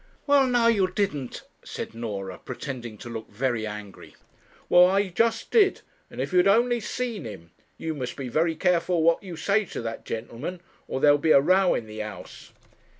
'Well, now you didn't?' said Norah, pretending to look very angry. 'Well, I just did; and if you'd only seen him! You must be very careful what you say to that gentleman, or there'll be a row in the house.'